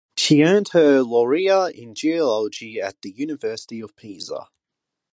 She earned her laurea in geology at the University of Pisa.